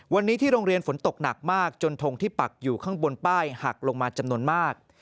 วันนี้ที่โรงเรียนฝนตกหนักมากจนทงที่ปักอยู่ข้างบนป้ายหักลงมาจำนวนมาก